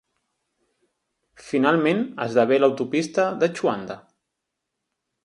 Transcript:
Finalment, esdevé l'autopista de Xuanda.